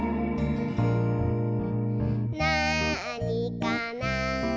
「なあにかな？」